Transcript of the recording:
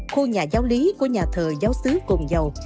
khu nhà giáo lý của nhà thờ giáo sứ cồn dầu